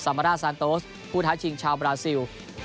มาร่าซานโตสผู้ท้าชิงชาวบราซิล